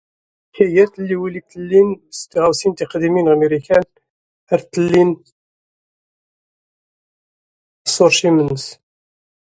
Many art collectors throughout America sought out his paintings.